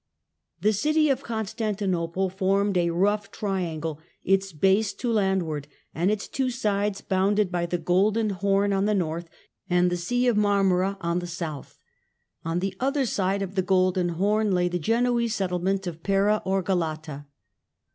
Topo The city of Constantinople formed a rough triangle, its Oxiistauti base to landward, and its two sides bounded by the ^°^^^ Golden Horn on the North, and the Sea of Marmora on the South. On the other side of the Golden Horn lay the Genoese settlement of Pera or Galata.